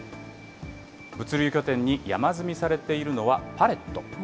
物流拠点に山積みされているのはパレット。